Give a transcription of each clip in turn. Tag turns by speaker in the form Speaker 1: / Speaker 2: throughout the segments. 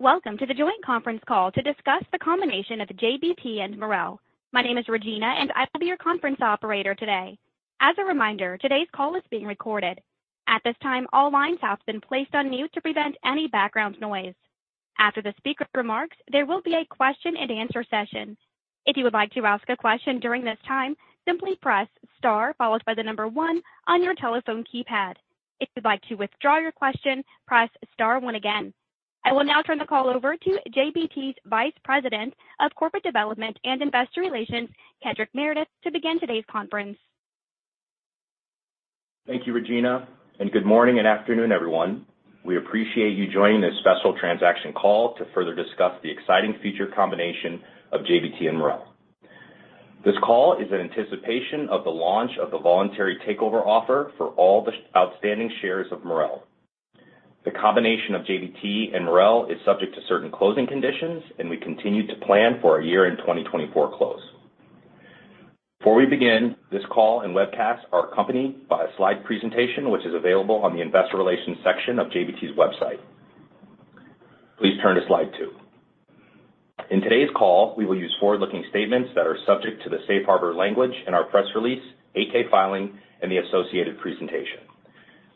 Speaker 1: Welcome to the joint conference call to discuss the combination of JBT and Marel. My name is Regina, and I will be your conference operator today. As a reminder, today's call is being recorded. At this time, all lines have been placed on mute to prevent any background noise. After the speaker remarks, there will be a question-and-answer session. If you would like to ask a question during this time, simply press star followed by the number one on your telephone keypad. If you'd like to withdraw your question, press star one again. I will now turn the call over to JBT's Vice President of Corporate Development and Investor Relations, Kedric Meredith, to begin today's conference.
Speaker 2: Thank you, Regina. Good morning and afternoon, everyone. We appreciate you joining this special transaction call to further discuss the exciting future combination of JBT and Marel. This call is in anticipation of the launch of the voluntary takeover offer for all the outstanding shares of Marel. The combination of JBT and Marel is subject to certain closing conditions, and we continue to plan for a year-end 2024 close. Before we begin, this call and webcast are accompanied by a slide presentation which is available on the Investor Relations section of JBT's website. Please turn to slide two. In today's call, we will use forward-looking statements that are subject to the safe harbor language in our press release, 8-K filing, and the associated presentation.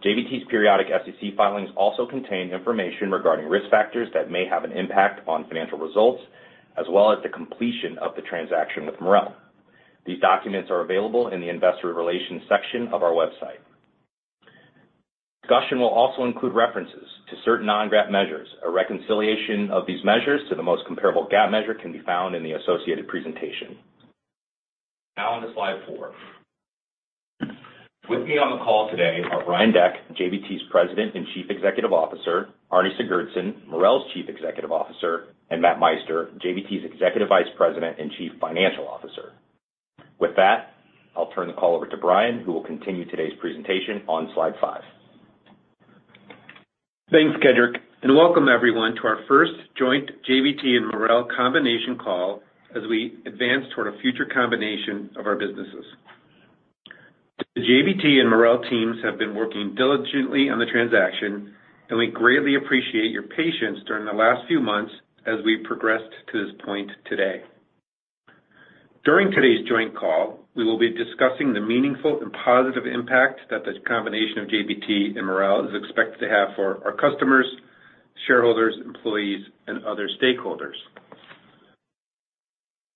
Speaker 2: JBT's periodic SEC filings also contain information regarding risk factors that may have an impact on financial results, as well as the completion of the transaction with Marel. These documents are available in the Investor Relations section of our website. Discussion will also include references to certain non-GAAP measures. A reconciliation of these measures to the most comparable GAAP measure can be found in the associated presentation. Now on to slide four. With me on the call today are Brian Deck, JBT's President and Chief Executive Officer; Árni Sigurðsson, Marel's Chief Executive Officer; and Matt Meister, JBT's Executive Vice President and Chief Financial Officer. With that, I'll turn the call over to Brian, who will continue today's presentation on slide five.
Speaker 3: Thanks, Kedric. And welcome, everyone, to our first joint JBT and Marel combination call as we advance toward a future combination of our businesses. The JBT and Marel teams have been working diligently on the transaction, and we greatly appreciate your patience during the last few months as we've progressed to this point today. During today's joint call, we will be discussing the meaningful and positive impact that the combination of JBT and Marel is expected to have for our customers, shareholders, employees, and other stakeholders.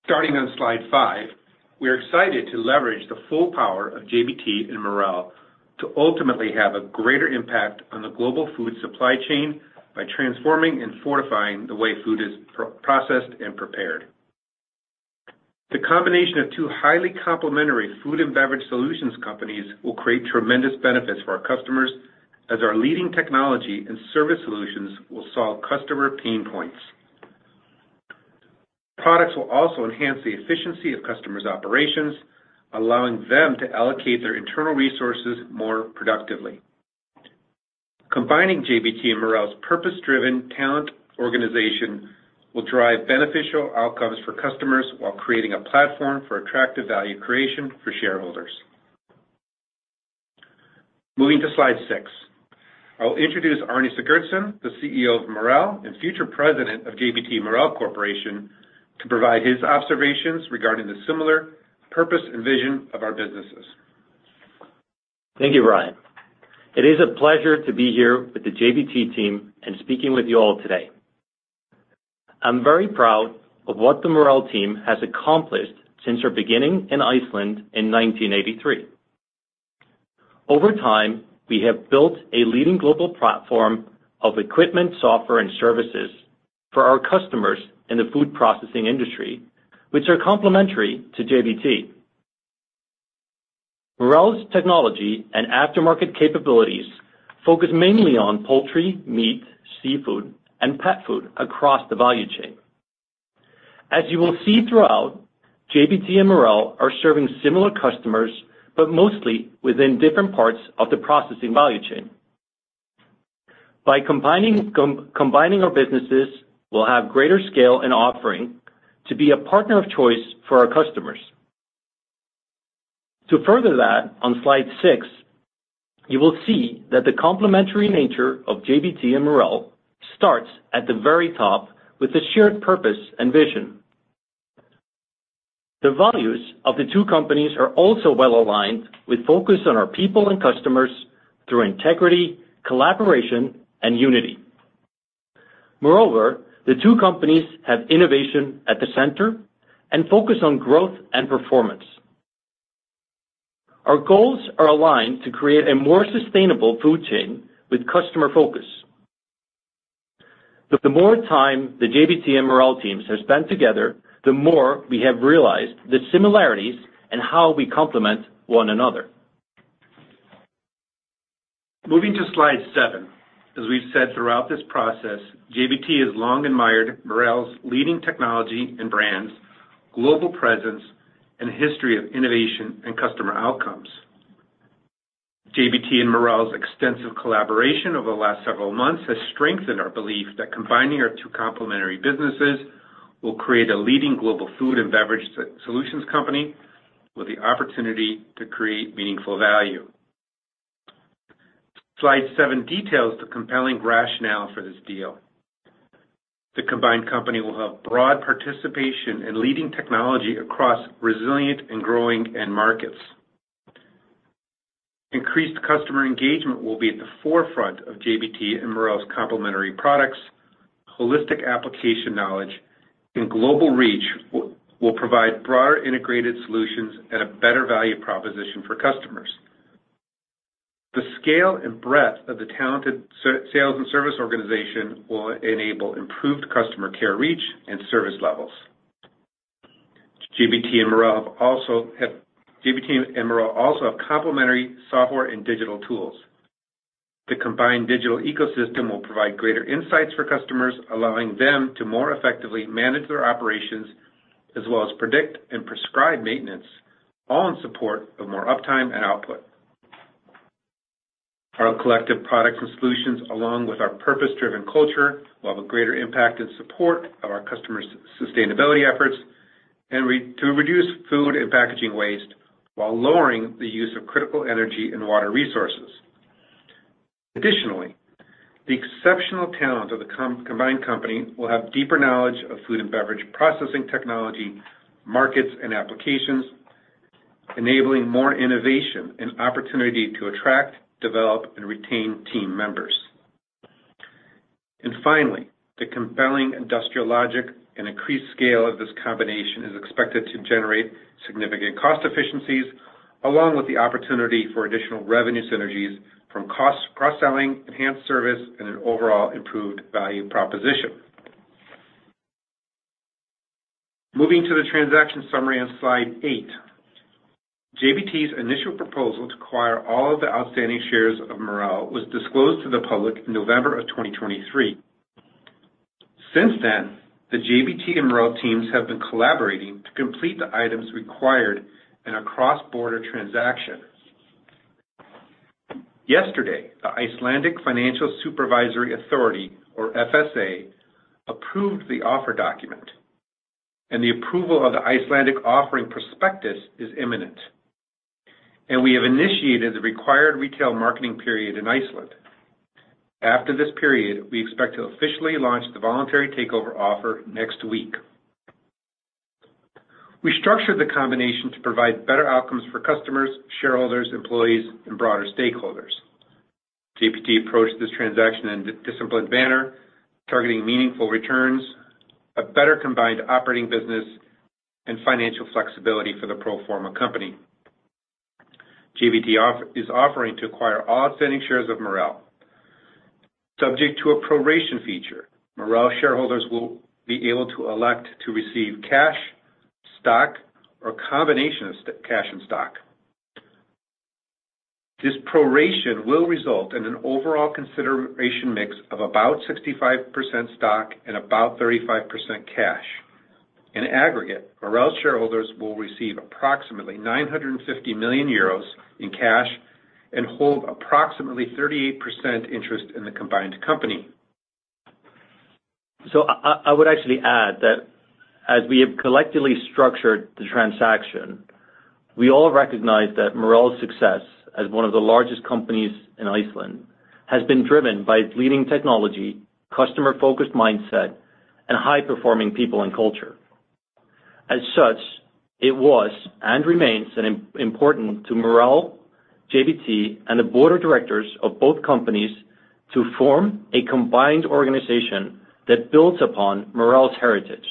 Speaker 3: Starting on slide five, we're excited to leverage the full power of JBT and Marel to ultimately have a greater impact on the global food supply chain by transforming and fortifying the way food is processed and prepared. The combination of two highly complementary food and beverage solutions companies will create tremendous benefits for our customers as our leading technology and service solutions will solve customer pain points. Products will also enhance the efficiency of customers' operations, allowing them to allocate their internal resources more productively. Combining JBT and Marel's purpose-driven talent organization will drive beneficial outcomes for customers while creating a platform for attractive value creation for shareholders. Moving to slide six, I'll introduce Árni Sigurðsson, the CEO of Marel and future President of JBT Marel Corporation, to provide his observations regarding the similar purpose and vision of our businesses.
Speaker 4: Thank you, Brian. It is a pleasure to be here with the JBT team and speaking with you all today. I'm very proud of what the Marel team has accomplished since our beginning in Iceland in 1983. Over time, we have built a leading global platform of equipment, software, and services for our customers in the food processing industry, which are complementary to JBT. Marel's technology and aftermarket capabilities focus mainly on poultry, meat, seafood, and pet food across the value chain. As you will see throughout, JBT and Marel are serving similar customers, but mostly within different parts of the processing value chain. By combining our businesses, we'll have greater scale and offering to be a partner of choice for our customers. To further that, on slide six, you will see that the complementary nature of JBT and Marel starts at the very top with the shared purpose and vision. The values of the two companies are also well aligned with focus on our people and customers through integrity, collaboration, and unity. Moreover, the two companies have innovation at the center and focus on growth and performance. Our goals are aligned to create a more sustainable food chain with customer focus. The more time the JBT and Marel teams have spent together, the more we have realized the similarities and how we complement one another.
Speaker 3: Moving to slide seven, as we've said throughout this process, JBT has long admired Marel's leading technology and brands, global presence, and history of innovation and customer outcomes. JBT and Marel's extensive collaboration over the last several months has strengthened our belief that combining our two complementary businesses will create a leading global food and beverage solutions company with the opportunity to create meaningful value. Slide seven details the compelling rationale for this deal. The combined company will have broad participation in leading technology across resilient and growing markets. Increased customer engagement will be at the forefront of JBT and Marel's complementary products. Holistic application knowledge and global reach will provide broader integrated solutions and a better value proposition for customers. The scale and breadth of the talented sales and service organization will enable improved customer care reach and service levels. JBT and Marel also have complementary software and digital tools. The combined digital ecosystem will provide greater insights for customers, allowing them to more effectively manage their operations as well as predict and prescribe maintenance, all in support of more uptime and output. Our collective products and solutions, along with our purpose-driven culture, will have a greater impact and support of our customers' sustainability efforts to reduce food and packaging waste while lowering the use of critical energy and water resources. Additionally, the exceptional talent of the combined company will have deeper knowledge of food and beverage processing technology, markets, and applications, enabling more innovation and opportunity to attract, develop, and retain team members. Finally, the compelling industrial logic and increased scale of this combination is expected to generate significant cost efficiencies, along with the opportunity for additional revenue synergies from cross-selling, enhanced service, and an overall improved value proposition. Moving to the transaction summary on slide eight, JBT's initial proposal to acquire all of the outstanding shares of Marel was disclosed to the public in November of 2023. Since then, the JBT and Marel teams have been collaborating to complete the items required in a cross-border transaction. Yesterday, the Icelandic Financial Supervisory Authority, or FSA, approved the offer document, and the approval of the Icelandic offering prospectus is imminent. We have initiated the required retail marketing period in Iceland. After this period, we expect to officially launch the voluntary takeover offer next week. We structured the combination to provide better outcomes for customers, shareholders, employees, and broader stakeholders. JBT approached this transaction in a disciplined manner, targeting meaningful returns, a better combined operating business, and financial flexibility for the pro forma company. JBT is offering to acquire all outstanding shares of Marel. Subject to a proration feature, Marel shareholders will be able to elect to receive cash, stock, or a combination of cash and stock. This proration will result in an overall consideration mix of about 65% stock and about 35% cash. In aggregate, Marel shareholders will receive approximately 950 million euros in cash and hold approximately 38% interest in the combined company.
Speaker 4: I would actually add that as we have collectively structured the transaction, we all recognize that Marel's success as one of the largest companies in Iceland has been driven by its leading technology, customer-focused mindset, and high-performing people and culture. As such, it was and remains important to Marel, JBT, and the board of directors of both companies to form a combined organization that builds upon Marel's heritage.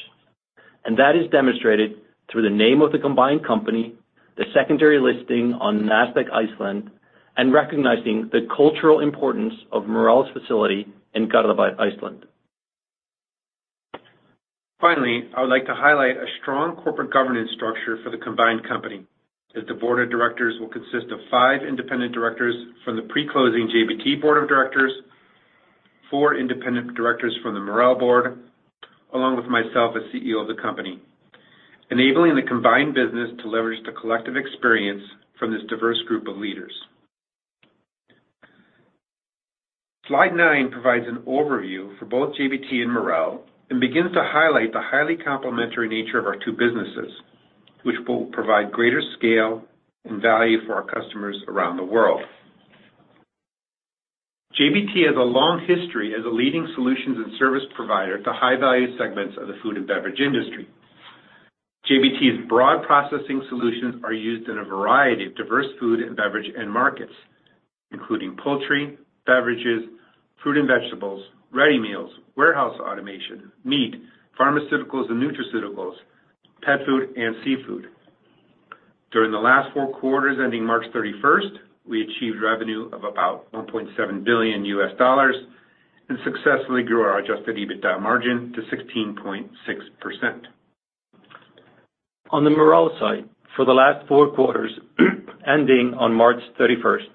Speaker 4: That is demonstrated through the name of the combined company, the secondary listing on Nasdaq Iceland, and recognizing the cultural importance of Marel's facility in Garðabær, Iceland.
Speaker 3: Finally, I would like to highlight a strong corporate governance structure for the combined company as the board of directors will consist of five independent directors from the pre-closing JBT board of directors, four independent directors from the Marel board, along with myself as CEO of the company, enabling the combined business to leverage the collective experience from this diverse group of leaders. Slide nine provides an overview for both JBT and Marel and begins to highlight the highly complementary nature of our two businesses, which will provide greater scale and value for our customers around the world. JBT has a long history as a leading solutions and service provider to high-value segments of the food and beverage industry. JBT's broad processing solutions are used in a variety of diverse food and beverage end markets, including poultry, beverages, fruit and vegetables, ready meals, warehouse automation, meat, pharmaceuticals and nutraceuticals, pet food, and seafood. During the last four quarters ending March 31st, we achieved revenue of about $1.7 billion and successfully grew our Adjusted EBITDA margin to 16.6%.
Speaker 4: On the Marel side, for the last four quarters ending on March 31st,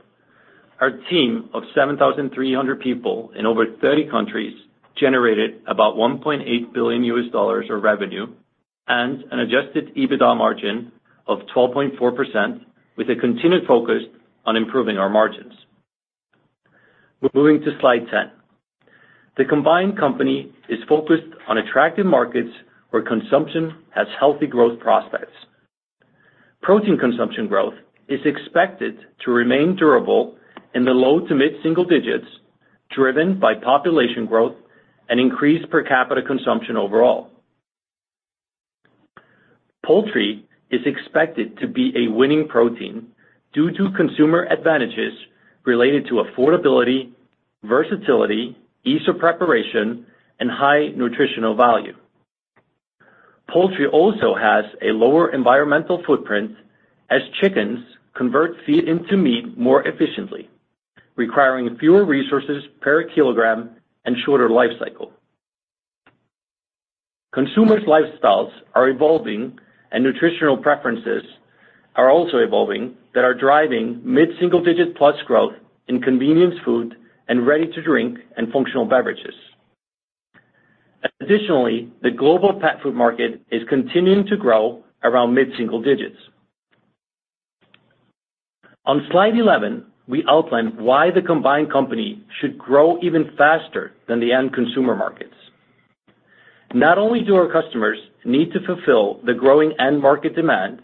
Speaker 4: our team of 7,300 people in over 30 countries generated about $1.8 billion of revenue and an adjusted EBITDA margin of 12.4%, with a continued focus on improving our margins. Moving to slide 10, the combined company is focused on attractive markets where consumption has healthy growth prospects. Protein consumption growth is expected to remain durable in the low to mid-single digits, driven by population growth and increased per capita consumption overall. Poultry is expected to be a winning protein due to consumer advantages related to affordability, versatility, ease of preparation, and high nutritional value. Poultry also has a lower environmental footprint as chickens convert feed into meat more efficiently, requiring fewer resources per kilogram and shorter life cycle. Consumers' lifestyles are evolving and nutritional preferences are also evolving, that are driving mid-single digit plus growth in convenience food and ready-to-drink and functional beverages. Additionally, the global pet food market is continuing to grow around mid-single digits. On slide 11, we outlined why the combined company should grow even faster than the end consumer markets. Not only do our customers need to fulfill the growing end market demand,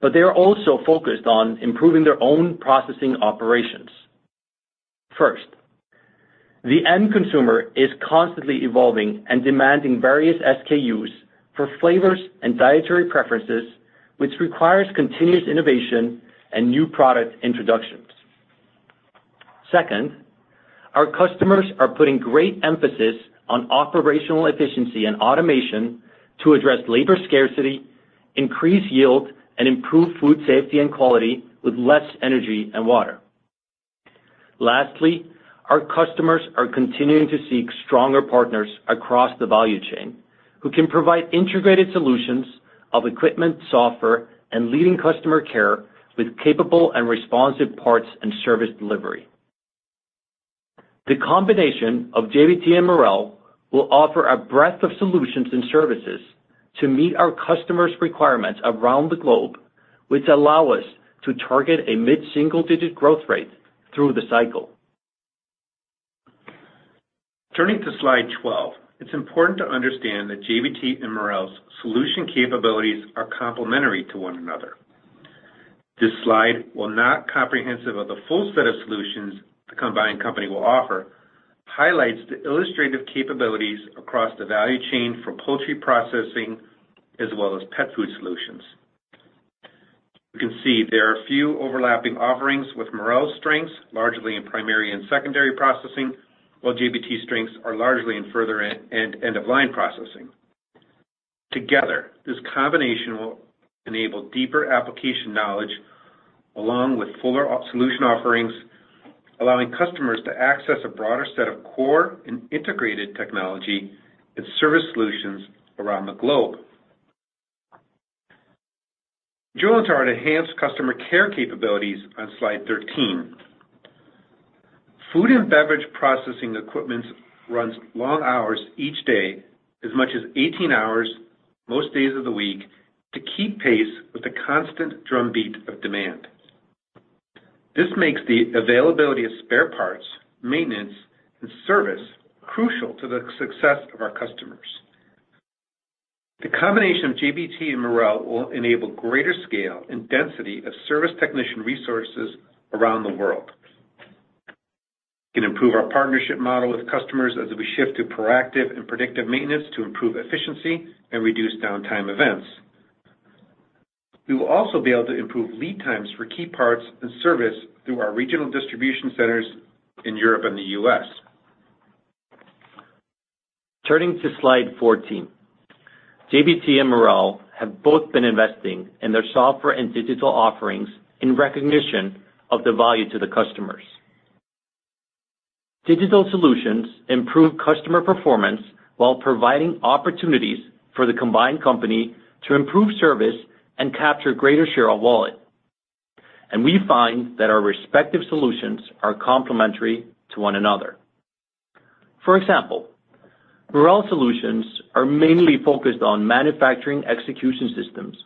Speaker 4: but they are also focused on improving their own processing operations. First, the end consumer is constantly evolving and demanding various SKUs for flavors and dietary preferences, which requires continuous innovation and new product introductions. Second, our customers are putting great emphasis on operational efficiency and automation to address labor scarcity, increase yield, and improve food safety and quality with less energy and water. Lastly, our customers are continuing to seek stronger partners across the value chain who can provide integrated solutions of equipment, software, and leading customer care with capable and responsive parts and service delivery. The combination of JBT and Marel will offer a breadth of solutions and services to meet our customers' requirements around the globe, which allow us to target a mid-single digit growth rate through the cycle.
Speaker 3: Turning to slide 12, it's important to understand that JBT and Marel's solution capabilities are complementary to one another. This slide, while not comprehensive of the full set of solutions the combined company will offer, highlights the illustrative capabilities across the value chain for poultry processing as well as pet food solutions. You can see there are a few overlapping offerings with Marel's strengths largely in primary and secondary processing, while JBT's strengths are largely in further and end-of-line processing. Together, this combination will enable deeper application knowledge along with fuller solution offerings, allowing customers to access a broader set of core and integrated technology and service solutions around the globe. JBT and Marel's enhanced customer care capabilities on slide 13. Food and beverage processing equipment runs long hours each day, as much as 18 hours most days of the week, to keep pace with the constant drumbeat of demand. This makes the availability of spare parts, maintenance, and service crucial to the success of our customers. The combination of JBT and Marel will enable greater scale and density of service technician resources around the world. It can improve our partnership model with customers as we shift to proactive and predictive maintenance to improve efficiency and reduce downtime events. We will also be able to improve lead times for key parts and service through our regional distribution centers in Europe and the U.S.
Speaker 4: Turning to slide 14, JBT and Marel have both been investing in their software and digital offerings in recognition of the value to the customers. Digital solutions improve customer performance while providing opportunities for the combined company to improve service and capture a greater share of wallet. We find that our respective solutions are complementary to one another. For example, Marel solutions are mainly focused on manufacturing execution systems,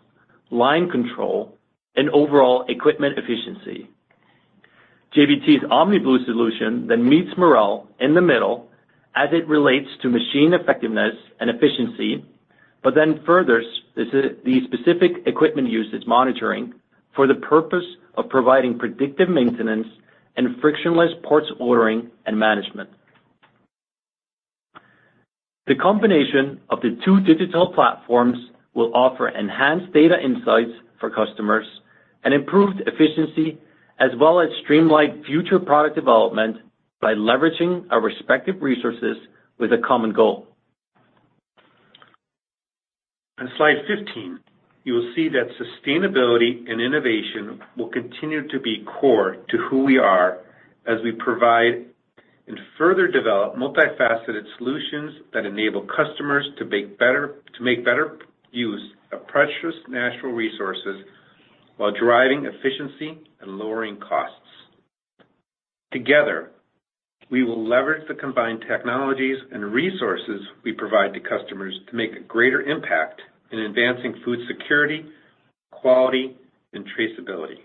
Speaker 4: line control, and overall equipment effectiveness. JBT's OmniBlu solution then meets Marel in the middle as it relates to machine effectiveness and efficiency, but then furthers the specific equipment usage monitoring for the purpose of providing predictive maintenance and frictionless parts ordering and management. The combination of the two digital platforms will offer enhanced data insights for customers and improved efficiency, as well as streamline future product development by leveraging our respective resources with a common goal.
Speaker 3: On slide 15, you will see that sustainability and innovation will continue to be core to who we are as we provide and further develop multifaceted solutions that enable customers to make better use of precious natural resources while driving efficiency and lowering costs. Together, we will leverage the combined technologies and resources we provide to customers to make a greater impact in advancing food security, quality, and traceability.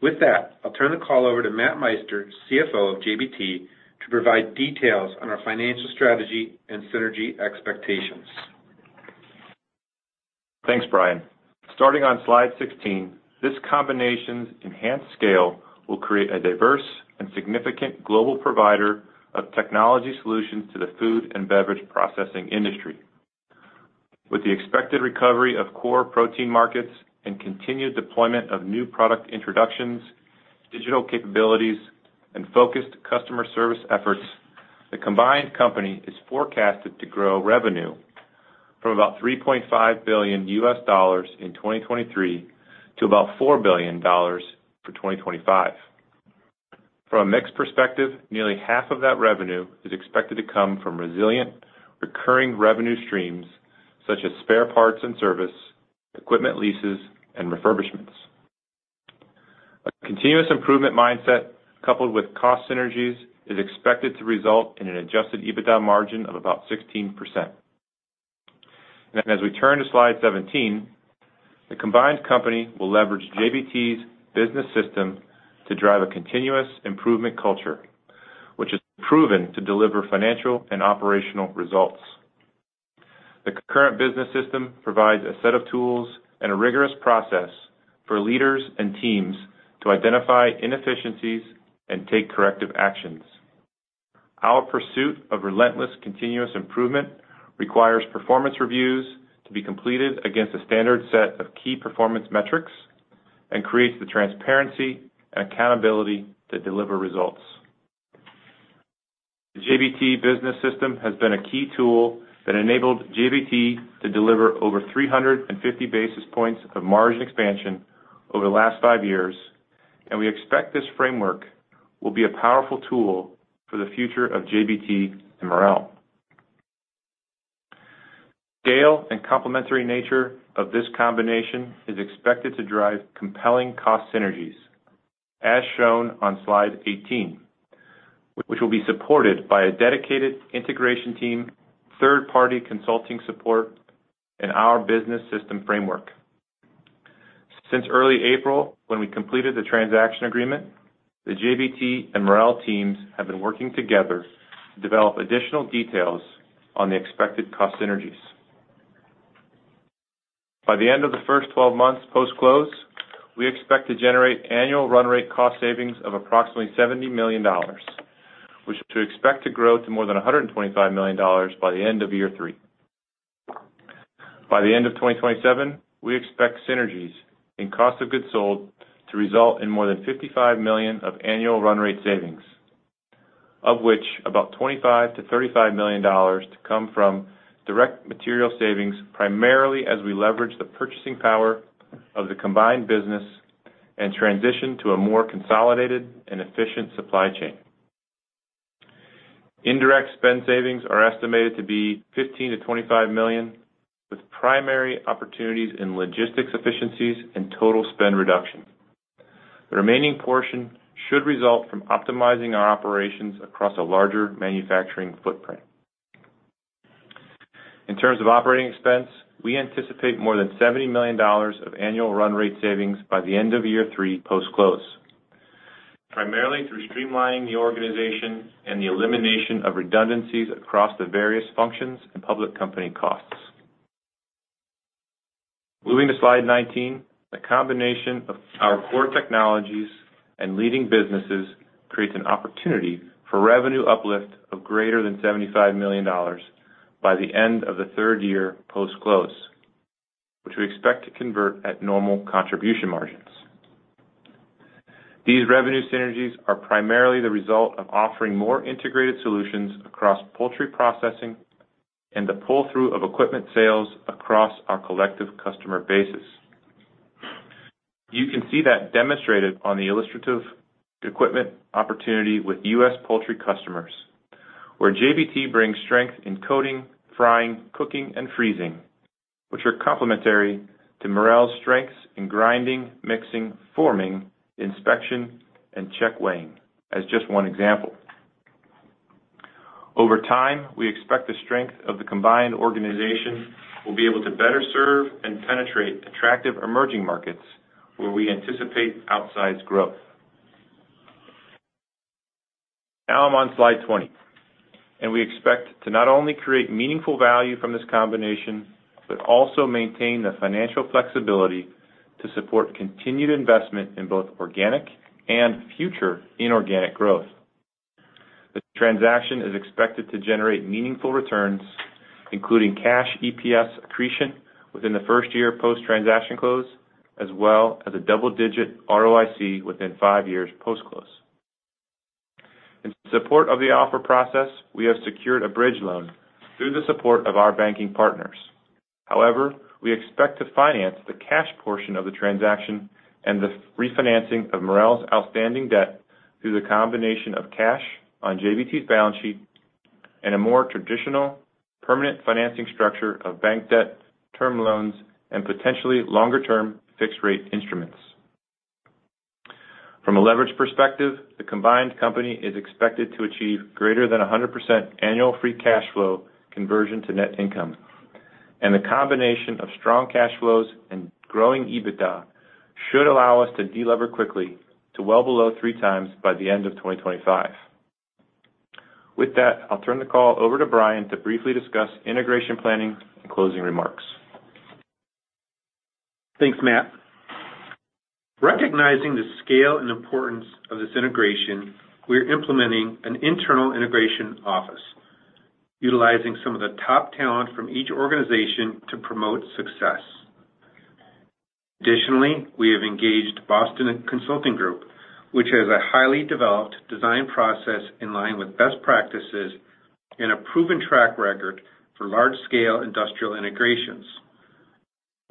Speaker 3: With that, I'll turn the call over to Matt Meister, CFO of JBT, to provide details on our financial strategy and synergy expectations.
Speaker 5: Thanks, Brian. Starting on slide 16, this combination's enhanced scale will create a diverse and significant global provider of technology solutions to the food and beverage processing industry. With the expected recovery of core protein markets and continued deployment of new product introductions, digital capabilities, and focused customer service efforts, the combined company is forecasted to grow revenue from about $3.5 billion in 2023 to about $4 billion for 2025. From a mixed perspective, nearly half of that revenue is expected to come from resilient recurring revenue streams such as spare parts and service, equipment leases, and refurbishments. A continuous improvement mindset coupled with cost synergies is expected to result in an Adjusted EBITDA margin of about 16%. As we turn to slide 17, the combined company will leverage JBT's business system to drive a continuous improvement culture, which is proven to deliver financial and operational results. The current business system provides a set of tools and a rigorous process for leaders and teams to identify inefficiencies and take corrective actions. Our pursuit of relentless continuous improvement requires performance reviews to be completed against a standard set of key performance metrics and creates the transparency and accountability to deliver results. The JBT business system has been a key tool that enabled JBT to deliver over 350 basis points of margin expansion over the last five years, and we expect this framework will be a powerful tool for the future of JBT and Marel. Scale and complementary nature of this combination is expected to drive compelling cost synergies, as shown on slide 18, which will be supported by a dedicated integration team, third-party consulting support, and our business system framework. Since early April, when we completed the transaction agreement, the JBT and Marel teams have been working together to develop additional details on the expected cost synergies. By the end of the first 12 months post-close, we expect to generate annual run-rate cost savings of approximately $70 million, which we expect to grow to more than $125 million by the end of year three. By the end of 2027, we expect synergies in cost of goods sold to result in more than $55 million of annual run-rate savings, of which about $25 million-$35 million to come from direct material savings, primarily as we leverage the purchasing power of the combined business and transition to a more consolidated and efficient supply chain. Indirect spend savings are estimated to be $15 million-$25 million, with primary opportunities in logistics efficiencies and total spend reduction. The remaining portion should result from optimizing our operations across a larger manufacturing footprint. In terms of operating expense, we anticipate more than $70 million of annual run rate savings by the end of year three post-close, primarily through streamlining the organization and the elimination of redundancies across the various functions and public company costs. Moving to slide 19, the combination of our core technologies and leading businesses creates an opportunity for revenue uplift of greater than $75 million by the end of the third year post-close, which we expect to convert at normal contribution margins. These revenue synergies are primarily the result of offering more integrated solutions across poultry processing and the pull-through of equipment sales across our collective customer bases. You can see that demonstrated on the illustrative equipment opportunity with U.S. poultry customers, where JBT brings strength in coating, frying, cooking, and freezing, which are complementary to Marel's strengths in grinding, mixing, forming, inspection, and checkweighing as just one example. Over time, we expect the strength of the combined organization will be able to better serve and penetrate attractive emerging markets where we anticipate outsized growth. Now I'm on slide 20, and we expect to not only create meaningful value from this combination, but also maintain the financial flexibility to support continued investment in both organic and future inorganic growth. The transaction is expected to generate meaningful returns, including cash EPS accretion within the first year post-transaction close, as well as a double-digit ROIC within five years post-close. In support of the offer process, we have secured a bridge loan through the support of our banking partners. However, we expect to finance the cash portion of the transaction and the refinancing of Marel's outstanding debt through the combination of cash on JBT's balance sheet and a more traditional permanent financing structure of bank debt, term loans, and potentially longer-term fixed-rate instruments. From a leverage perspective, the combined company is expected to achieve greater than 100% annual free cash flow conversion to net income. The combination of strong cash flows and growing EBITDA should allow us to delever quickly to well below 3x by the end of 2025. With that, I'll turn the call over to Brian to briefly discuss integration planning and closing remarks.
Speaker 3: Thanks, Matt. Recognizing the scale and importance of this integration, we are implementing an internal integration office, utilizing some of the top talent from each organization to promote success. Additionally, we have engaged Boston Consulting Group, which has a highly developed design process in line with best practices and a proven track record for large-scale industrial integrations.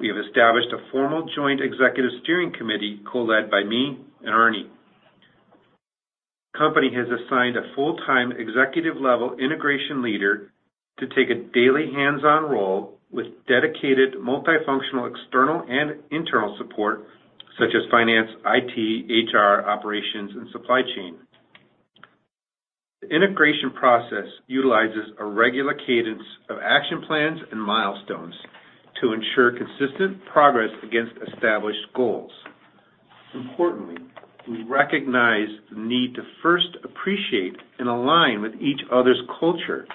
Speaker 3: We have established a formal joint executive steering committee co-led by me and Árni. The company has assigned a full-time executive-level integration leader to take a daily hands-on role with dedicated multifunctional external and internal support, such as finance, IT, HR, operations, and supply chain. The integration process utilizes a regular cadence of action plans and milestones to ensure consistent progress against established goals. Importantly, we recognize the need to first appreciate and align with each other's culture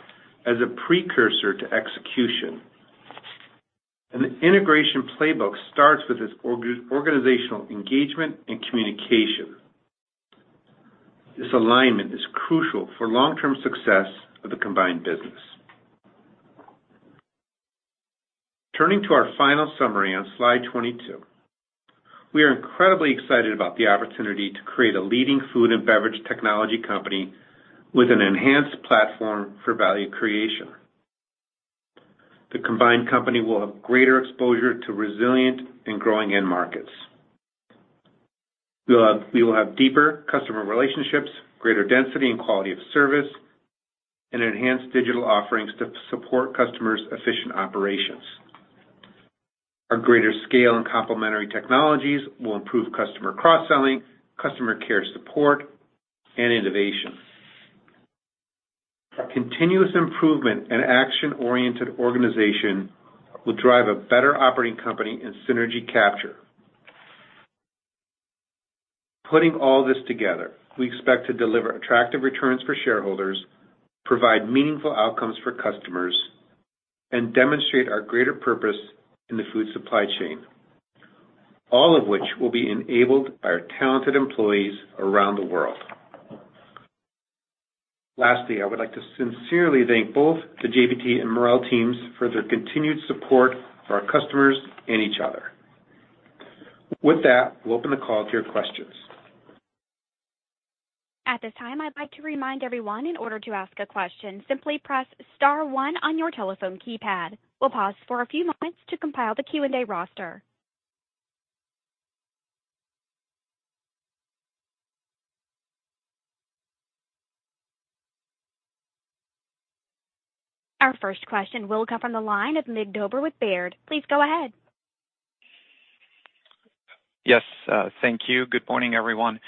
Speaker 3: as a precursor to execution. An integration playbook starts with its organizational engagement and communication. This alignment is crucial for long-term success of the combined business. Turning to our final summary on slide 22, we are incredibly excited about the opportunity to create a leading food and beverage technology company with an enhanced platform for value creation. The combined company will have greater exposure to resilient and growing end markets. We will have deeper customer relationships, greater density and quality of service, and enhanced digital offerings to support customers' efficient operations. Our greater scale and complementary technologies will improve customer cross-selling, customer care support, and innovation. Our continuous improvement and action-oriented organization will drive a better operating company and synergy capture. Putting all this together, we expect to deliver attractive returns for shareholders, provide meaningful outcomes for customers, and demonstrate our greater purpose in the food supply chain, all of which will be enabled by our talented employees around the world. Lastly, I would like to sincerely thank both the JBT and Marel teams for their continued support for our customers and each other. With that, we'll open the call to your questions.
Speaker 1: At this time, I'd like to remind everyone in order to ask a question, simply press Star 1 on your telephone keypad. We'll pause for a few moments to compile the Q&A roster. Our first question will come from the line of Mig Dobre with Baird. Please go ahead.
Speaker 6: Yes, thank you. Good morning, everyone.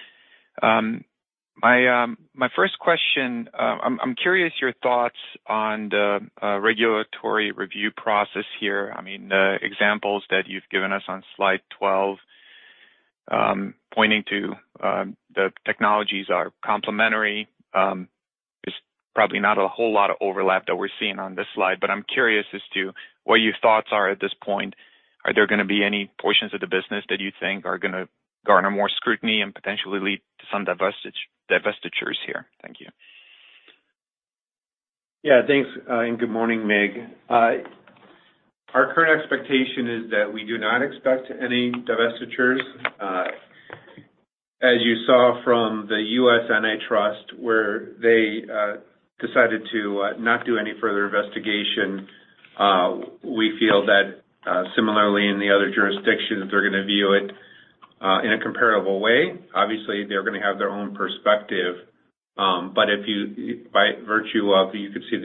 Speaker 6: My first question, I'm curious your thoughts on the regulatory review process here. I mean, the examples that you've given us on slide 12, pointing to the technologies are complementary, is probably not a whole lot of overlap that we're seeing on this slide. But I'm curious as to what your thoughts are at this point. Are there going to be any portions of the business that you think are going to garner more scrutiny and potentially lead to some divestitures here? Thank you.
Speaker 3: Yeah, thanks. Good morning, Mig. Our current expectation is that we do not expect any divestitures. As you saw from the U.S. antitrust, where they decided to not do any further investigation, we feel that similarly in the other jurisdictions, they're going to view it in a comparable way. Obviously, they're going to have their own perspective. But by virtue of, you could see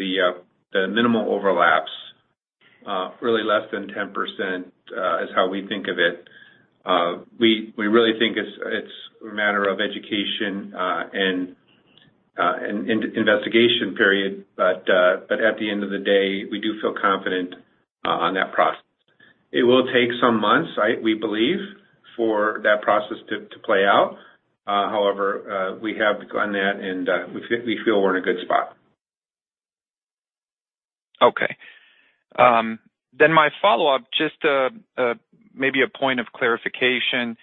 Speaker 3: the minimal overlaps, really less than 10% is how we think of it. We really think it's a matter of education and investigation, period. But at the end of the day, we do feel confident on that process. It will take some months, we believe, for that process to play out. However, we have begun that, and we feel we're in a good spot.
Speaker 6: Okay. Then my follow-up, just maybe a point of clarification.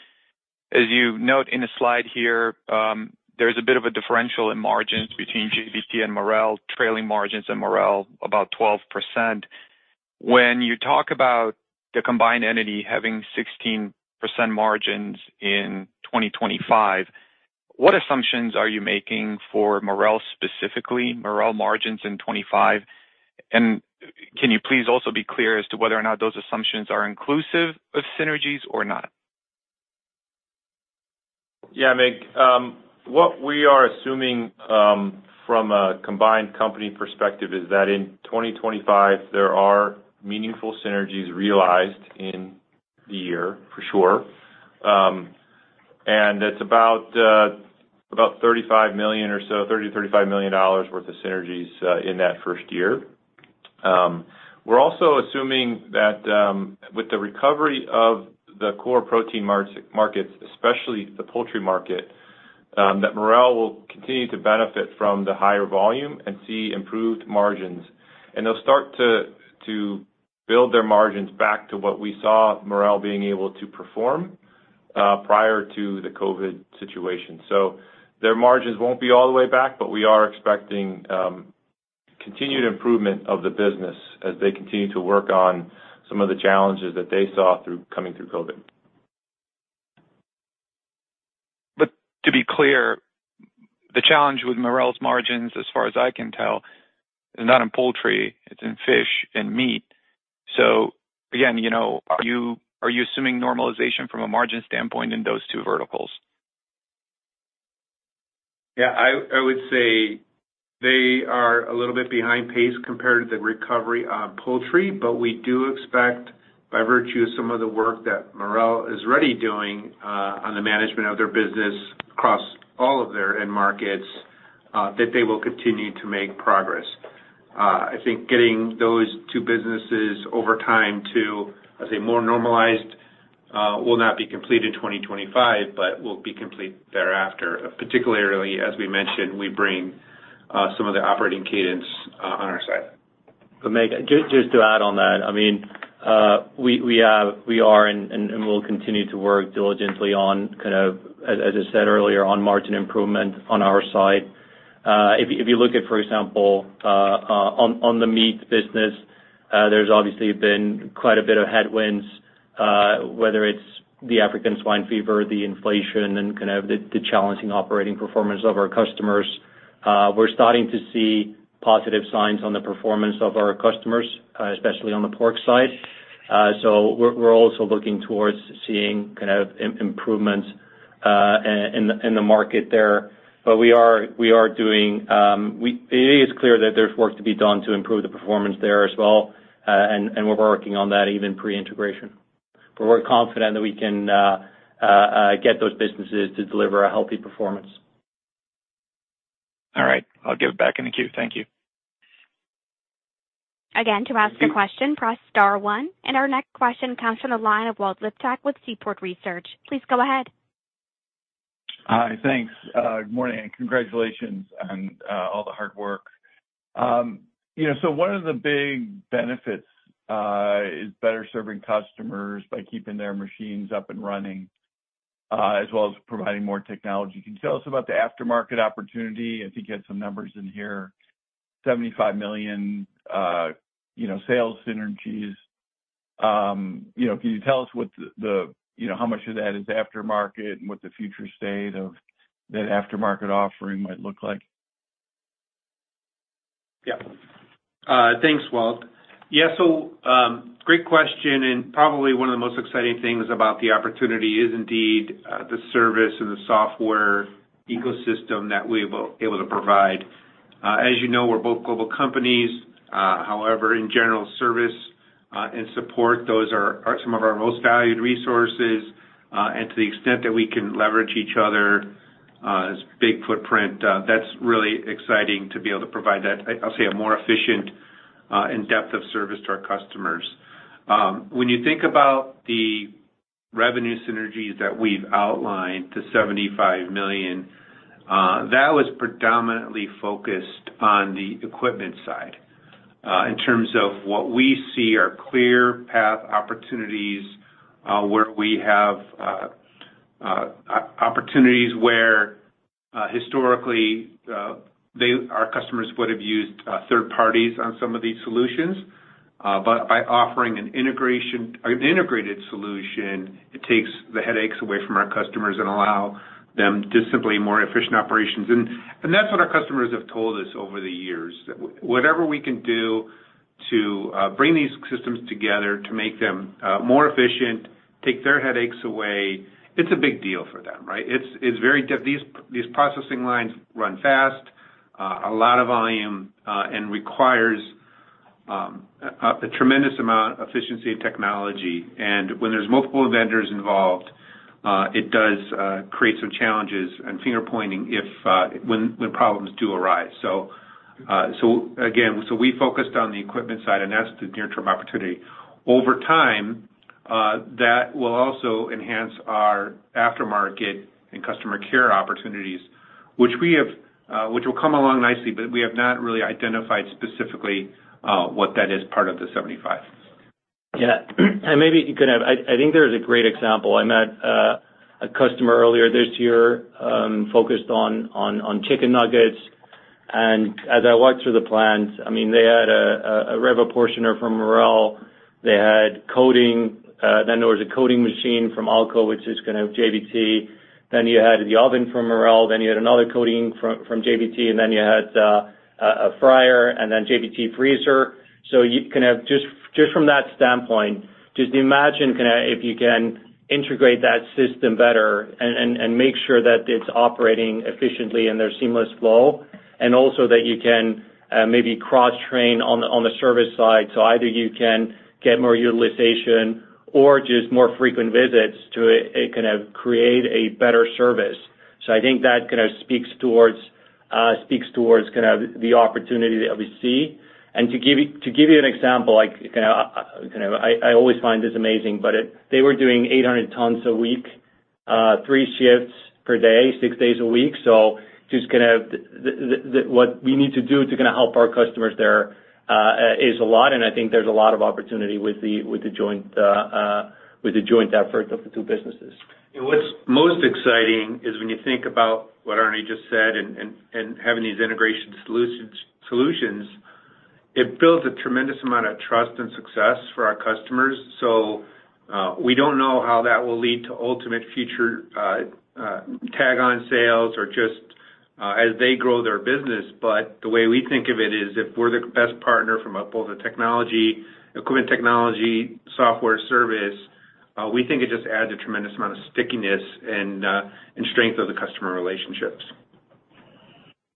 Speaker 6: As you note in the slide here, there's a bit of a differential in margins between JBT and Marel, trailing margins and Marel about 12%. When you talk about the combined entity having 16% margins in 2025, what assumptions are you making for Marel specifically, Marel margins in 2025? And can you please also be clear as to whether or not those assumptions are inclusive of synergies or not?
Speaker 3: Yeah, Mig. What we are assuming from a combined company perspective is that in 2025, there are meaningful synergies realized in the year, for sure. It's about $35 million or so, $30 million-$35 million worth of synergies in that first year. We're also assuming that with the recovery of the core protein markets, especially the poultry market, that Marel will continue to benefit from the higher volume and see improved margins. They'll start to build their margins back to what we saw Marel being able to perform prior to the COVID situation. So their margins won't be all the way back, but we are expecting continued improvement of the business as they continue to work on some of the challenges that they saw coming through COVID.
Speaker 6: But to be clear, the challenge with Marel's margins, as far as I can tell, is not in poultry. It's in fish and meat. So again, are you assuming normalization from a margin standpoint in those two verticals?
Speaker 3: Yeah, I would say they are a little bit behind pace compared to the recovery of poultry, but we do expect by virtue of some of the work that Marel is already doing on the management of their business across all of their end markets that they will continue to make progress. I think getting those two businesses over time to, I'd say, more normalized will not be complete in 2025, but will be complete thereafter, particularly as we mentioned, we bring some of the operating cadence on our side.
Speaker 4: But, Mig, just to add on that, I mean, we are and will continue to work diligently on, kind of as I said earlier, on margin improvement on our side. If you look at, for example, on the meat business, there's obviously been quite a bit of headwinds, whether it's the African swine fever, the inflation, and kind of the challenging operating performance of our customers. We're starting to see positive signs on the performance of our customers, especially on the pork side. So we're also looking towards seeing kind of improvements in the market there. But it is clear that there's work to be done to improve the performance there as well. And we're working on that even pre-integration. But we're confident that we can get those businesses to deliver a healthy performance.
Speaker 6: All right. I'll give it back in the queue. Thank you.
Speaker 1: Again, to ask a question, press Star 1. And our next question comes from the line of Walt Liptak with Seaport Research. Please go ahead.
Speaker 7: Hi, thanks. Good morning. Congratulations on all the hard work. One of the big benefits is better serving customers by keeping their machines up and running, as well as providing more technology. Can you tell us about the aftermarket opportunity? I think you had some numbers in here, $75 million sales synergies. Can you tell us how much of that is aftermarket and what the future state of that aftermarket offering might look like?
Speaker 3: Yeah. Thanks, Walt. Yeah, so great question. And probably one of the most exciting things about the opportunity is indeed the service and the software ecosystem that we will be able to provide. As you know, we're both global companies. However, in general, service and support, those are some of our most valued resources. And to the extent that we can leverage each other's big footprint, that's really exciting to be able to provide that, I'll say, a more efficient and depth of service to our customers. When you think about the revenue synergies that we've outlined, the $75 million, that was predominantly focused on the equipment side in terms of what we see are clear path opportunities where we have opportunities where historically our customers would have used third parties on some of these solutions. But by offering an integrated solution, it takes the headaches away from our customers and allows them to simply have more efficient operations. And that's what our customers have told us over the years, that whatever we can do to bring these systems together to make them more efficient, take their headaches away, it's a big deal for them, right? It's very difficult. These processing lines run fast, a lot of volume, and require a tremendous amount of efficiency and technology. And when there's multiple vendors involved, it does create some challenges and finger-pointing when problems do arise. So again, we focused on the equipment side, and that's the near-term opportunity. Over time, that will also enhance our aftermarket and customer care opportunities, which will come along nicely, but we have not really identified specifically what that is part of the 75.
Speaker 4: Yeah. And maybe you could have I think there's a great example. I met a customer earlier this year focused on chicken nuggets. And as I walked through the plant, I mean, they had a RevoPortioner from Marel. They had coating. Then there was a coating machine from Alco, which is kind of JBT. Then you had the oven from Marel. Then you had another coating from JBT. And then you had a fryer and then JBT freezer. So kind of just from that standpoint, just imagine kind of if you can integrate that system better and make sure that it's operating efficiently in their seamless flow, and also that you can maybe cross-train on the service side. So either you can get more utilization or just more frequent visits to kind of create a better service. So I think that kind of speaks towards kind of the opportunity that we see. And to give you an example, kind of I always find this amazing, but they were doing 800 tons a week, 3 shifts per day, 6 days a week. So just kind of what we need to do to kind of help our customers there is a lot. And I think there's a lot of opportunity with the joint effort of the two businesses.
Speaker 3: What's most exciting is when you think about what Árni just said and having these integration solutions, it builds a tremendous amount of trust and success for our customers. So we don't know how that will lead to ultimate future tag-on sales or just as they grow their business. But the way we think of it is if we're the best partner from both the technology, equipment technology, software service, we think it just adds a tremendous amount of stickiness and strength of the customer relationships.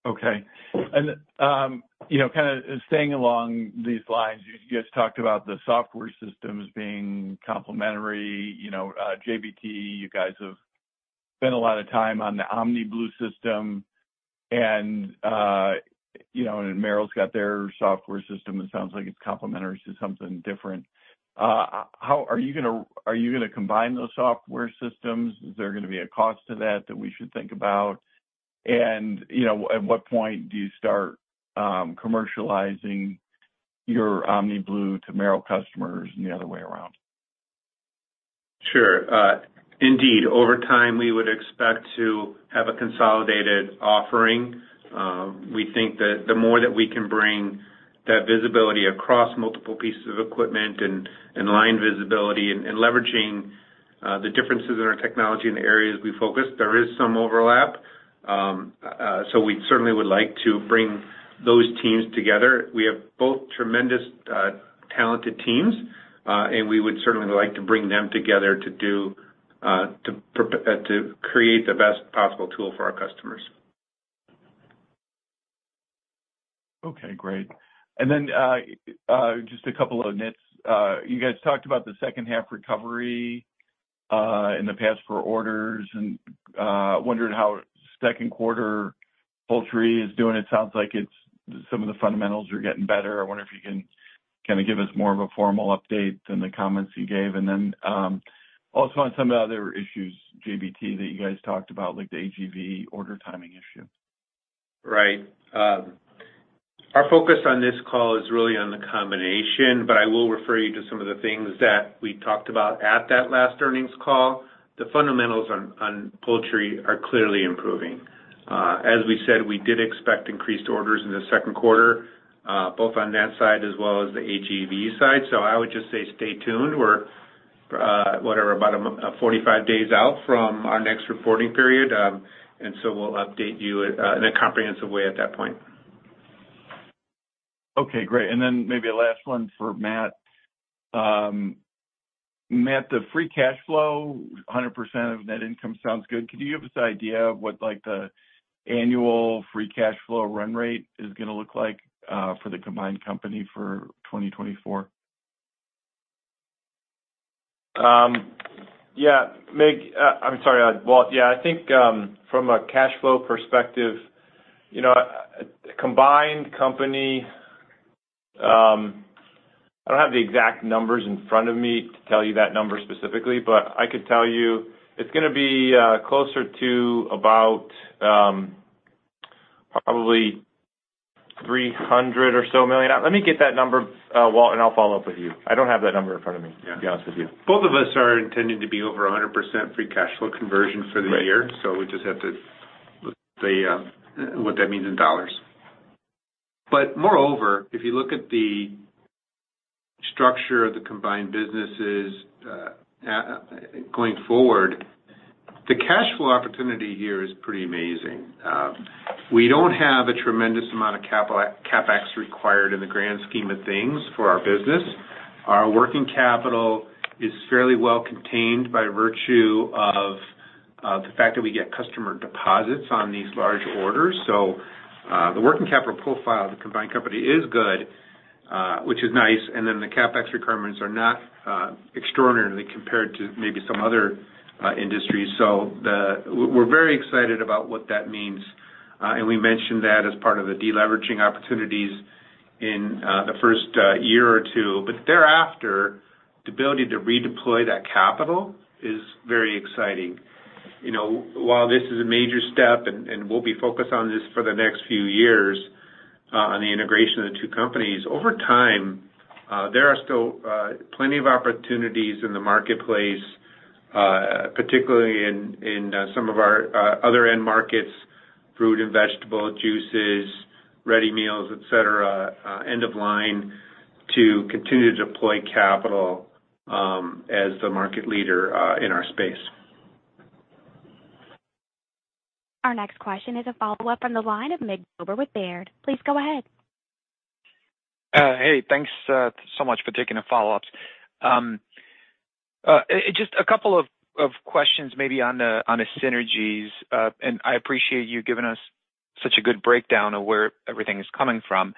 Speaker 7: Okay. And kind of staying along these lines, you just talked about the software systems being complementary. JBT, you guys have spent a lot of time on the OmniBlu system. And Marel's got their software system. It sounds like it's complementary to something different. Are you going to combine those software systems? Is there going to be a cost to that that we should think about? And at what point do you start commercializing your OmniBlu to Marel customers and the other way around?
Speaker 3: Sure. Indeed. Over time, we would expect to have a consolidated offering. We think that the more that we can bring that visibility across multiple pieces of equipment and line visibility and leveraging the differences in our technology in the areas we focus, there is some overlap. So we certainly would like to bring those teams together. We have both tremendously talented teams, and we would certainly like to bring them together to create the best possible tool for our customers.
Speaker 7: Okay. Great. And then just a couple of nits. You guys talked about the second-half recovery in the past for orders. And I wondered how second quarter poultry is doing. It sounds like some of the fundamentals are getting better. I wonder if you can kind of give us more of a formal update than the comments you gave. And then also on some of the other issues, JBT, that you guys talked about, like the AGV order timing issue.
Speaker 3: Right. Our focus on this call is really on the combination, but I will refer you to some of the things that we talked about at that last earnings call. The fundamentals on poultry are clearly improving. As we said, we did expect increased orders in the second quarter, both on that side as well as the AGV side. So I would just say stay tuned. We're about 45 days out from our next reporting period. And so we'll update you in a comprehensive way at that point.
Speaker 7: Okay. Great. And then maybe a last one for Matt. Matt, the free cash flow, 100% of net income sounds good. Could you give us an idea of what the annual free cash flow run rate is going to look like for the combined company for 2024?
Speaker 5: Yeah. I'm sorry, Walt. Yeah, I think from a cash flow perspective, combined company, I don't have the exact numbers in front of me to tell you that number specifically, but I could tell you it's going to be closer to about probably $300 million or so. Let me get that number, Walt, and I'll follow up with you. I don't have that number in front of me, to be honest with you. Both of us are intending to be over 100% free cash flow conversion for the year. So we just have to look at what that means in dollars. But moreover, if you look at the structure of the combined businesses going forward, the cash flow opportunity here is pretty amazing. We don't have a tremendous amount of CapEx required in the grand scheme of things for our business. Our working capital is fairly well contained by virtue of the fact that we get customer deposits on these large orders. So the working capital profile of the combined company is good, which is nice. And then the CapEx requirements are not extraordinary compared to maybe some other industries. So we're very excited about what that means. And we mentioned that as part of the deleveraging opportunities in the first year or two. But thereafter, the ability to redeploy that capital is very exciting. While this is a major step, and we'll be focused on this for the next few years on the integration of the two companies, over time, there are still plenty of opportunities in the marketplace, particularly in some of our other end markets, fruit and vegetable, juices, ready meals, etc., end of line, to continue to deploy capital as the market leader in our space.
Speaker 1: Our next question is a follow-up from the line of Mig Dobre with Baird. Please go ahead.
Speaker 6: Hey, thanks so much for taking the follow-ups. Just a couple of questions maybe on the synergies. I appreciate you giving us such a good breakdown of where everything is coming from.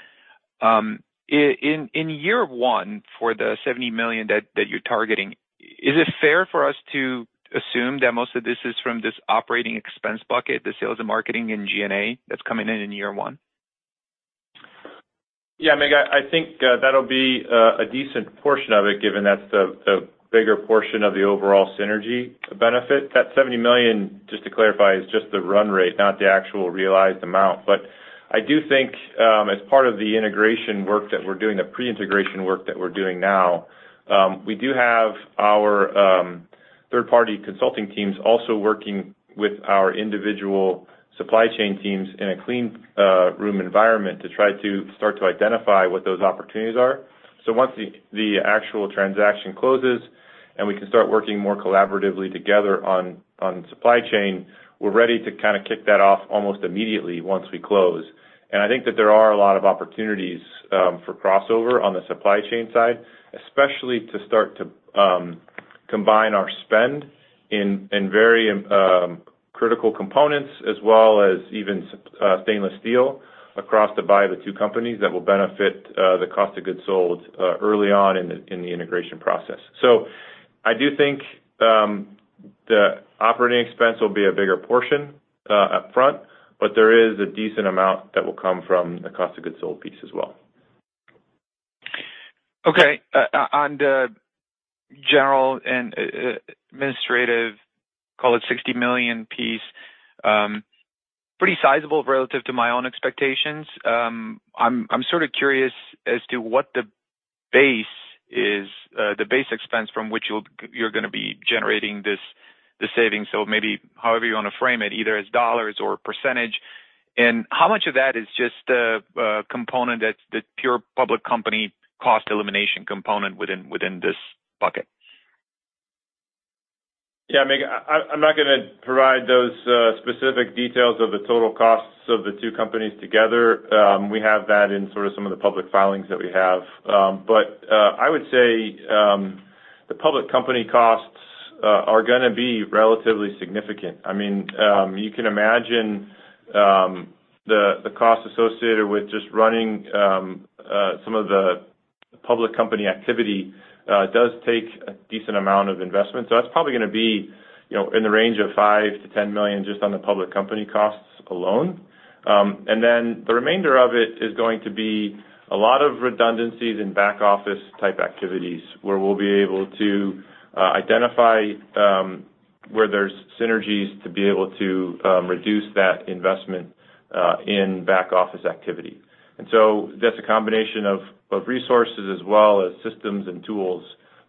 Speaker 6: In year one for the $70 million that you're targeting, is it fair for us to assume that most of this is from this operating expense bucket, the sales and marketing and G&A that's coming in in year one?
Speaker 3: Yeah, Mig, I think that'll be a decent portion of it, given that's the bigger portion of the overall synergy benefit. That $70 million, just to clarify, is just the run rate, not the actual realized amount. But I do think as part of the integration work that we're doing, the pre-integration work that we're doing now, we do have our third-party consulting teams also working with our individual supply chain teams in a clean room environment to try to start to identify what those opportunities are. So once the actual transaction closes and we can start working more collaboratively together on supply chain, we're ready to kind of kick that off almost immediately once we close. I think that there are a lot of opportunities for crossover on the supply chain side, especially to start to combine our spend in very critical components, as well as even stainless steel across the buy of the two companies that will benefit the cost of goods sold early on in the integration process. I do think the operating expense will be a bigger portion upfront, but there is a decent amount that will come from the cost of goods sold piece as well.
Speaker 6: Okay. On the general and administrative, call it $60 million piece, pretty sizable relative to my own expectations. I'm sort of curious as to what the base is, the base expense from which you're going to be generating this saving. So maybe however you want to frame it, either as dollars or a percentage. And how much of that is just a component that's the pure public company cost elimination component within this bucket?
Speaker 3: Yeah, Mig, I'm not going to provide those specific details of the total costs of the two companies together. We have that in sort of some of the public filings that we have. But I would say the public company costs are going to be relatively significant. I mean, you can imagine the cost associated with just running some of the public company activity does take a decent amount of investment. So that's probably going to be in the range of $5 million-$10 million just on the public company costs alone. And then the remainder of it is going to be a lot of redundancies and back office type activities where we'll be able to identify where there's synergies to be able to reduce that investment in back office activity. And so that's a combination of resources as well as systems and tools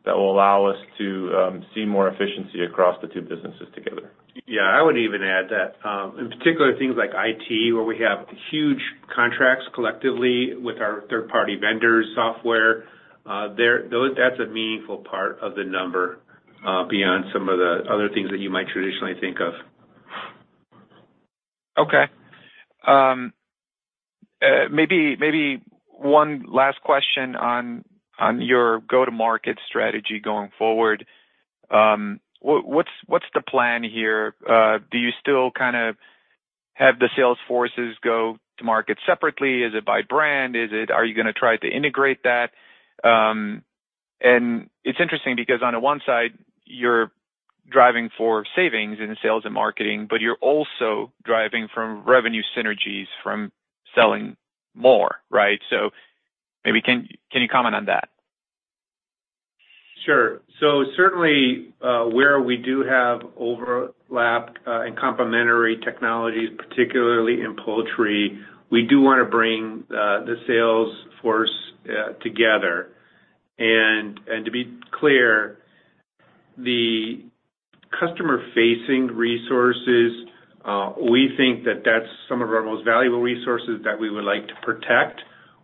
Speaker 3: that will allow us to see more efficiency across the two businesses together. Yeah. I would even add that in particular, things like IT, where we have huge contracts collectively with our third-party vendor software, that's a meaningful part of the number beyond some of the other things that you might traditionally think of.
Speaker 6: Okay. Maybe one last question on your go-to-market strategy going forward. What's the plan here? Do you still kind of have the sales forces go to market separately? Is it by brand? Are you going to try to integrate that? And it's interesting because on the one side, you're driving for savings in sales and marketing, but you're also driving from revenue synergies from selling more, right? So maybe can you comment on that?
Speaker 3: Sure. So certainly where we do have overlap and complementary technologies, particularly in poultry, we do want to bring the sales force together. And to be clear, the customer-facing resources, we think that that's some of our most valuable resources that we would like to protect.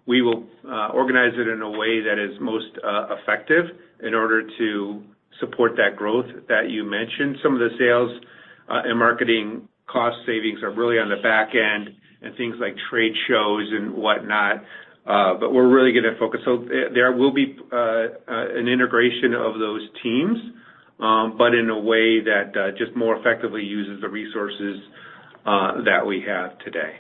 Speaker 3: We will organize it in a way that is most effective in order to support that growth that you mentioned. Some of the sales and marketing cost savings are really on the back end and things like trade shows and whatnot. But we're really going to focus. So there will be an integration of those teams, but in a way that just more effectively uses the resources that we have today.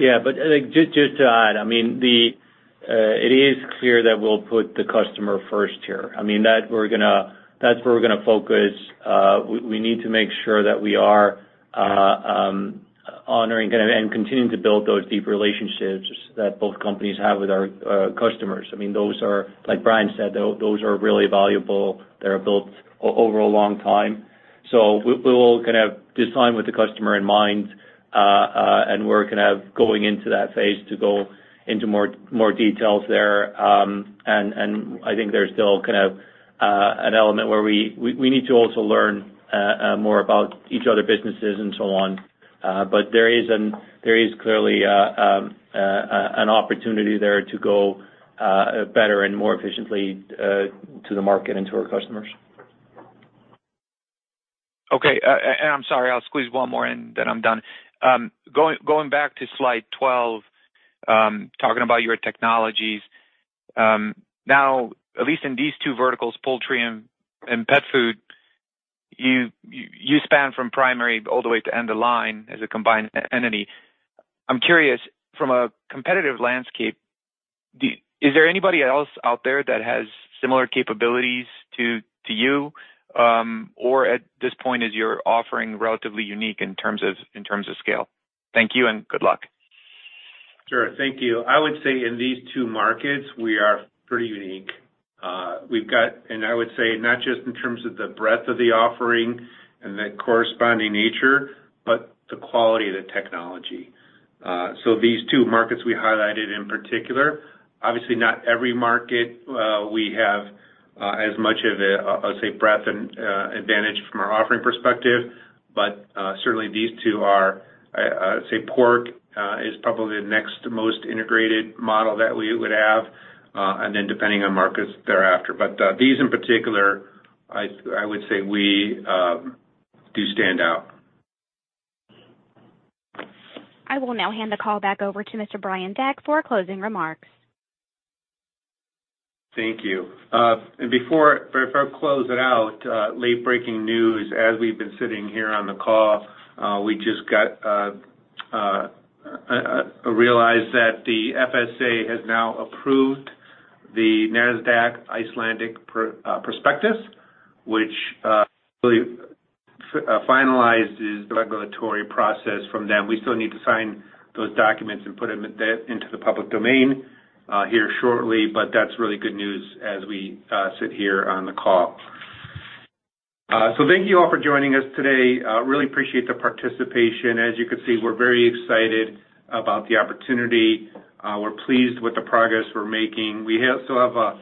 Speaker 4: Yeah. But just to add, I mean, it is clear that we'll put the customer first here. I mean, that's where we're going to focus. We need to make sure that we are honoring and continuing to build those deep relationships that both companies have with our customers. I mean, like Brian said, those are really valuable. They're built over a long time. So we will kind of design with the customer in mind. And we're kind of going into that phase to go into more details there. And I think there's still kind of an element where we need to also learn more about each other's businesses and so on. But there is clearly an opportunity there to go better and more efficiently to the market and to our customers.
Speaker 6: Okay. I'm sorry, I'll squeeze one more in, then I'm done. Going back to slide 12, talking about your technologies, now, at least in these two verticals, poultry and pet food, you span from primary all the way to end of line as a combined entity. I'm curious, from a competitive landscape, is there anybody else out there that has similar capabilities to you? Or at this point, is your offering relatively unique in terms of scale? Thank you and good luck.
Speaker 3: Sure. Thank you. I would say in these two markets, we are pretty unique. I would say not just in terms of the breadth of the offering and the corresponding nature, but the quality of the technology. These two markets we highlighted in particular, obviously, not every market we have as much of a breadth and advantage from our offering perspective. Certainly, these two are, I'd say, pork is probably the next most integrated model that we would have. Then depending on markets thereafter. These in particular, I would say we do stand out.
Speaker 1: I will now hand the call back over to Mr. Brian Deck for closing remarks.
Speaker 3: Thank you. Before I close it out, late-breaking news. As we've been sitting here on the call, we just realized that the FSA has now approved the Nasdaq Iceland prospectus, which finalizes the regulatory process from them. We still need to sign those documents and put them into the public domain here shortly, but that's really good news as we sit here on the call. Thank you all for joining us today. Really appreciate the participation. As you can see, we're very excited about the opportunity. We're pleased with the progress we're making. We still have a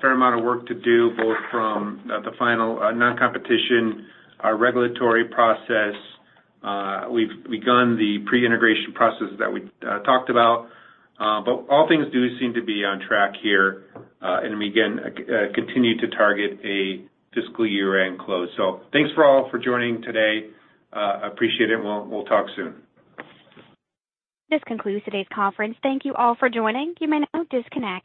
Speaker 3: fair amount of work to do, both from the final non-competition regulatory process. We've begun the pre-integration process that we talked about. All things do seem to be on track here. We can continue to target a fiscal year-end close. Thanks for all for joining today. I appreciate it. We'll talk soon.
Speaker 1: This concludes today's conference. Thank you all for joining. You may now disconnect.